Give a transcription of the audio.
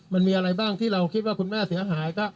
มันมีอะไรบ้างที่เราคิดว่าคุณแม่เสียหายก็